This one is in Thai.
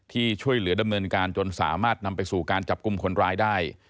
ที่ช่วยเหลือดำเนินการจนสามารถนำไปสู่การจับกลุ่มคนร้ายได้